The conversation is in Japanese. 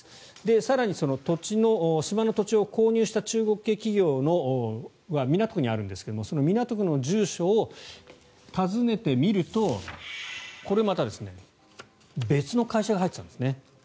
更に、その島の土地を購入した中国系企業は港区にあるんですがその港区の住所を訪ねてみるとこれまた、別の会社が入っていたんですね。